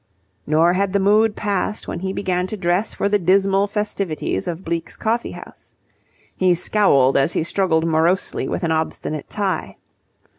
Nor had the mood passed when he began to dress for the dismal festivities of Bleke's Coffee House. He scowled as he struggled morosely with an obstinate tie.